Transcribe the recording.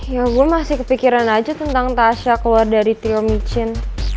ya gue masih kepikiran aja tentang tasya keluar dari trio micin